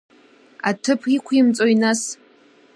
Аҭыԥ иқәимҵои нас.